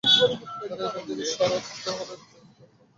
তাঁকে এখান থেকে সরাতে হলে জোর করে সরাতে হবে।